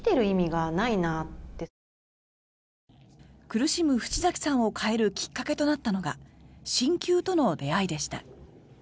苦しむ渕崎さんを変えるきっかけとなったのが鍼灸との出会いでした。